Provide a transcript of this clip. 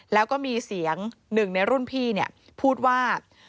แล้วก็มีเสียงหนึ่งในรุ่นพี่พูดว่า